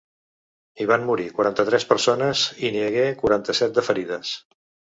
Hi van morir quaranta-tres persones i n’hi hagué quaranta-set de ferides.